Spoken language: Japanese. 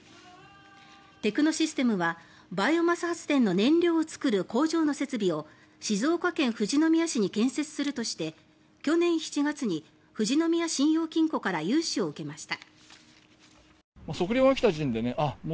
テクノシステムはバイオマス発電の燃料を作る工場の設備を静岡県富士宮市に建設するとして去年７月に富士宮信用金庫から融資を受けました。